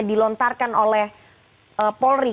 yang dilontarkan oleh polri